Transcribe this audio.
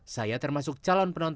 saya termasuk calon penonton